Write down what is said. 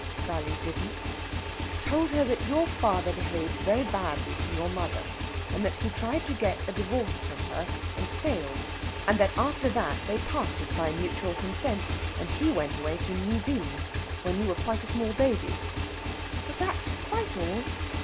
Sally didn't "told her that your father behaved very badly to your mother, and that he tried to get a divorce from her and failed, and that after that they parted by mutual consent, and he went away to New Zealand when you were quite a small baby." "Was that quite all?"